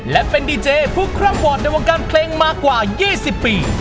และเป็นดีเจผู้คร่ำวอร์ดในวงการเพลงมากว่า๒๐ปี